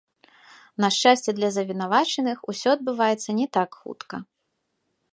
На шчасце для завінавачаных, усё адбываецца не так хутка.